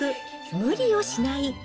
無理をしない。